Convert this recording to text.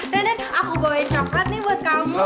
dedek aku bawain coklat nih buat kamu